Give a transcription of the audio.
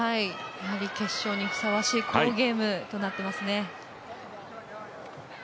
決勝にふさわしい好ゲームとなっていますね。